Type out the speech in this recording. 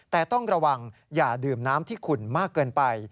แต่ต้องระวังอย่าดื่มน้ำที่ขุ่นมากเกินไป